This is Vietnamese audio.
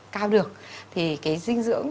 cao được thì cái dinh dưỡng